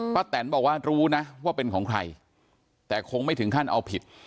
แตนบอกว่ารู้นะว่าเป็นของใครแต่คงไม่ถึงขั้นเอาผิด